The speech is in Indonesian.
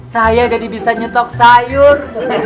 saya jadi bisa nyetok sayur